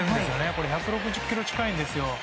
これ、１６０キロ近いんですよ。